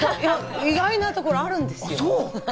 意外なとこあるんですよ。